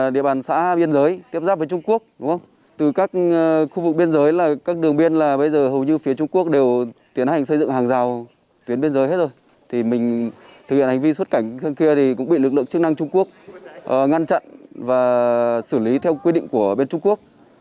điều này cũng bị lực lượng chức năng trung quốc ngăn chặn và xử lý theo quy định của bên trung quốc